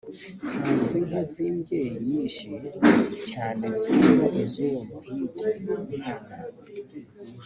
haza inka z’imbyeyi nyinshi cyane zirimo iz’uwo muhigi Nkana